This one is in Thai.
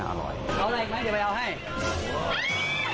อร่อยเอาอะไรอีกไหมเดี๋ยวไปเอาให้